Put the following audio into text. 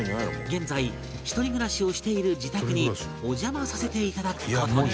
現在一人暮らしをしている自宅にお邪魔させていただく事に